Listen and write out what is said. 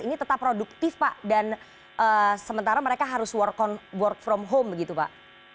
ini tetap produktif pak dan sementara mereka harus work from home begitu pak